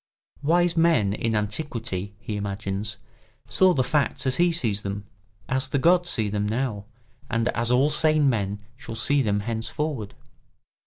Wise men in antiquity, he imagines, saw the facts as he sees them, as the gods see them now, and as all sane men shall see them henceforward.